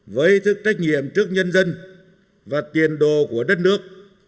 với ý thức trách nhiệm trước nhân dân và tiền đồ của đất nước